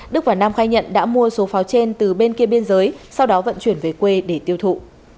đức và nam khai nhận đã mua số pháo trên từ bên kia biên giới sau đó vận chuyển về quê để tiêu thụ